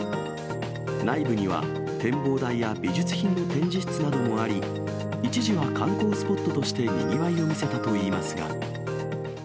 内部には展望台や美術品の展示室などもあり、一時は観光スポットとしてにぎわいを見せたといいますが。